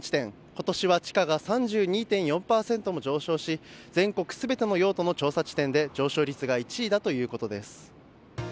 今年は地価が３２．４％も上昇し全国全ての用途の調査地点で上昇率が１位だということです。